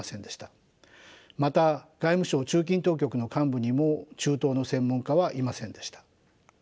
また外務省中近東局の幹部にも中東の専門家はいませんでした。